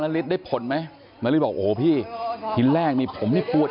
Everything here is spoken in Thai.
ฤทธิได้ผลไหมนาริสบอกโอ้โหพี่ทีแรกนี่ผมนี่ปวด